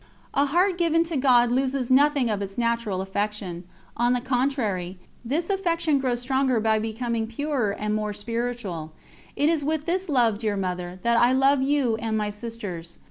A heart given to God loses nothing of its natural affection on the contrary, this affection grows stronger by becoming purer and more spiritual. It is with this love, dear Mother, that I love you and my sisters.